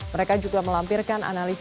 mereka juga melampirkan analisasi